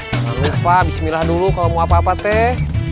jangan lupa bismillah dulu kalau mau apa apa teh